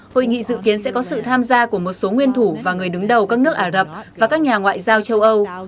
hội nghị dự kiến sẽ có sự tham gia của một số nguyên thủ và người đứng đầu các nước ả rập và các nhà ngoại giao châu âu